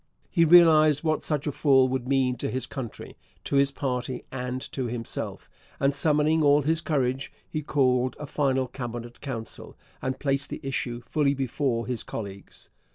He realized what such a fall would mean to his country, to his party, and to himself; and, summoning all his courage, he called a final Cabinet council and placed the issue fully before his colleagues.